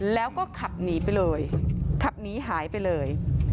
แล้วก็ขับหนีไปเลยขับหนีหายไปเลย